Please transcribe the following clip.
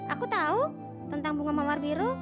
aku tahu tentang bunga mawar biru